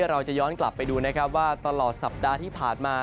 เราจะย้อนกลับไปดูนะครับว่าตลอดสัปดาห์ที่ผ่านมา